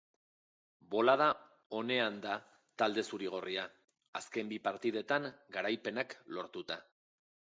Bolada onean da talde zuri-gorria, azken bi partidetan garaipenak lortuta.